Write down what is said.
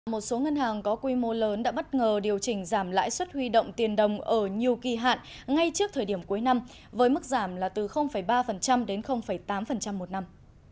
một số ngân hàng có quy mô lớn đã bất ngờ điều chỉnh giảm lãi suất huy động tiền đồng ở nhiều kỳ hạn ngay trước thời điểm cuối năm với mức giảm là từ ba đến tám một năm